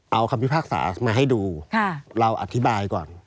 เอาคำพิพากษามาให้ดูเราอธิบายก่อน